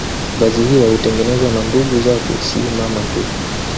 Vazi hilo hutengenezwa na ndugu zake si mama tu